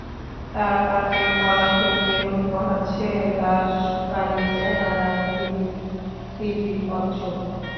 তার কাণ্ডে গলা ঠেকিয়ে রোদ পোহাচ্ছে রাশভারী চেহারার তিন তিনটি কচ্ছপ।